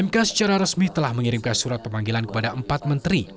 mk secara resmi telah mengirimkan surat pemanggilan kepada empat menteri